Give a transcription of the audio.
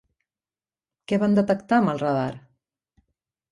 Què van detectar amb el radar?